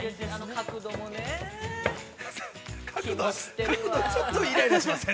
◆角度ちょっと、イライラしません？